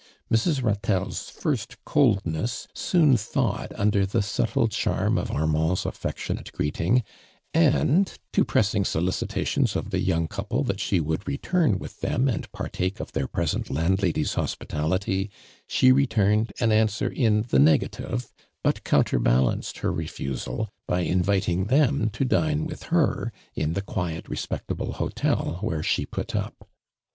Mrs. ..llatelle's first coldness soon thawed imder the subtle charm of Arinand's aftectionate greeting, and to pressing solicitations of the young couple that she would return with them and partake of their present land lady's hospitality, she returned an answer in the negative, but coimterbalanced her refusal by inviting them to dine with her in the quiet respectable hotel whore she put up.